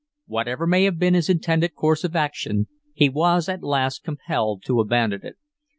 Whatever may have been his intended course of action, he was at last compelled to abandon it.